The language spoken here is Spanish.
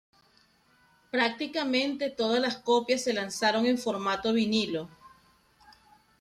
Prácticamente todas las copias se lanzaron en formato vinilo.